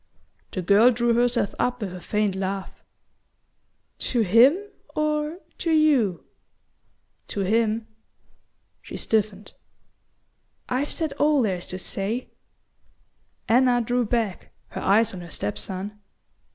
The girl drew herself up with a faint laugh. "To him or to YOU?" "To him." She stiffened. "I've said all there is to say." Anna drew back, her eyes on her step son.